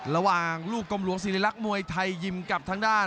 ระหว่างลูกกำลังสิริลักษณ์มวยไทยยิมกับทางด้าน